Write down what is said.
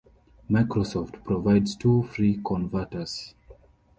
Microsoft provides two free converters.